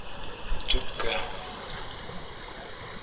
Төпкә!